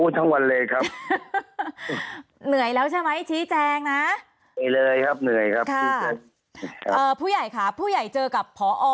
ทั้งวันเลยครับ